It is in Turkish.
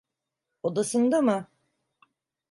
Odasında mı?